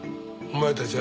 お前たち